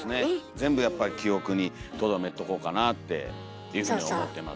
全部やっぱり記憶にとどめとこうかなあっていうふうに思ってます。